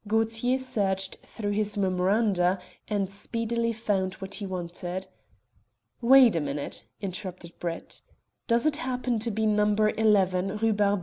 Gaultier searched through his memoranda, and speedily found what he wanted. "Wait a minute," interrupted Brett. "Does it happen to be No. 11, Rue Barbette?"